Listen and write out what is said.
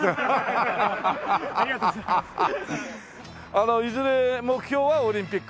あのいずれ目標はオリンピック？